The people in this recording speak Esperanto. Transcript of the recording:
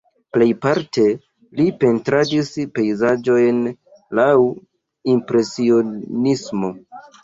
Plejparte li pentradis pejzaĝojn laŭ impresionismo.